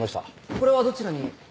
・これはどちらに？